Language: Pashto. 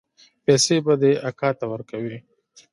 پيسې به دې اکا ته ورکوې.